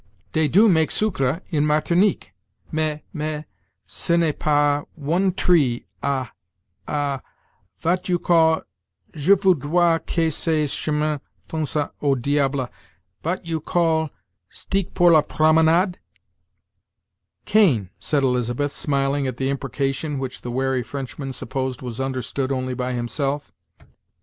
dey do make sucre in Martinique; mais mais ce n'est pas one tree ah ah vat you call je voudrois que ces chemins fussent au diable vat you call steeck pour la promenade?" "Cane," said Elizabeth, smiling at the imprecation which the wary Frenchman supposed was understood only by himself.